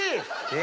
え⁉